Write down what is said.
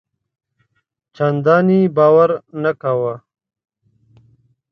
چنداني باور نه کاوه.